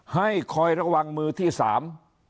ให้คอยระวังมือที่สาม